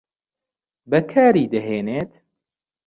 بەکاری دەهێنێت